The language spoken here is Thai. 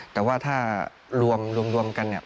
แต่ว่าถ้ารวมกันเนี่ย